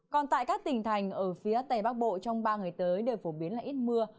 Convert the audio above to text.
còn tại các tỉnh thành ở phía tây bắc bộ trong ba ngày tới đều phổ biến là ít mưa